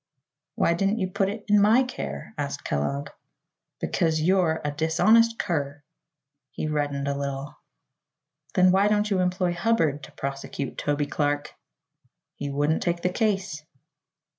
"Why didn't you put it in my care?" asked Kellogg. "Because you're a dishonest cur." He reddened a little. "Then why don't you employ Hubbard to prosecute Toby Clark?" "He wouldn't take the case."